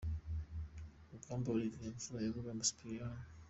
Rugamba Olivier imfura ya Rugamba Sipiriyani .